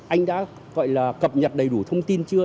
anh đã gọi là cập nhật đầy đủ thông tin chưa